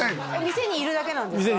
店にいるだけなんですか？